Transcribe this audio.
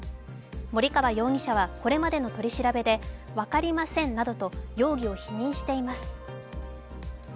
森川容疑者はこれまでの取り調べで分かりませんなどと容疑を否認しています。